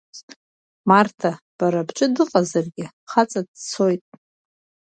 Марҭа бара бҿы дыҟазаргьы хаҵа дцот.